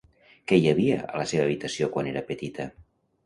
Què hi havia a la seva habitació quan era petita?